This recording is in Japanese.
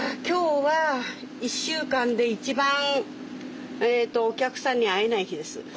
今日は１週間で一番お客さんに会えない日です。